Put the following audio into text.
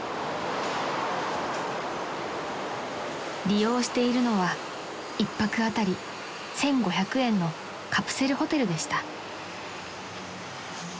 ［利用しているのは１泊あたり１，５００円のカプセルホテルでした］